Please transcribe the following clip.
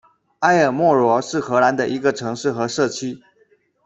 埃尔默罗是荷兰的一个城市和社区。